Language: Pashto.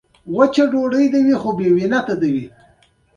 په ټولو علمي روایتونو کې دا ثابته ده.